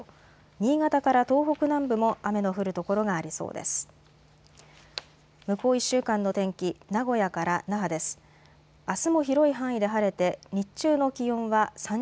新潟から東北南部も雨の降る所がありそうです。